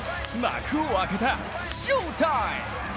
幕を開けた翔タイム！